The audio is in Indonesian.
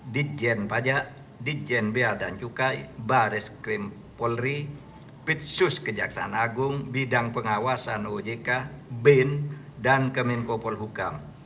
dijen pajak dijen beada cukai bares krim polri pitsus kejaksaan agung bidang pengawasan ojk bin dan kemenkopol hukam